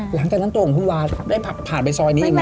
หลังจากนั้นตัวของคุณวาได้ผ่านไปซอยนี้อีกไหม